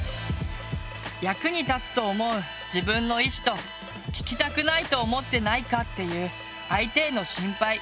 役に立つと思う「自分の意思」と聞きたくないと思ってないかっていう「相手への心配」